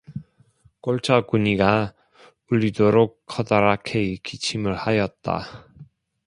골짜구니가 울리도록 커다랗게 기침을 하였다.